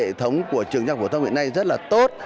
hệ thống của trường trung học phổ thông hiện nay rất là tốt